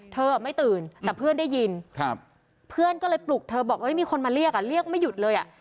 เธอไม่ตื่นแต่เพื่อนได้ยินเพื่อนก็เลยปลุกเธอบอกมีคนมาเรียกอ่ะเรียกเรียกไม่หยุดเลยอ่ะ